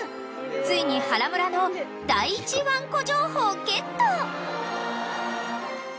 ［ついに原村の第１ワンコ情報ゲット］